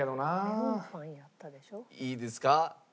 いいですか？